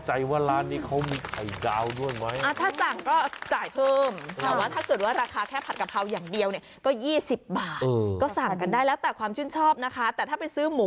อ่าไม่แน่ใจว่าร้านนี้เขามีไข่จาวด้วยไหม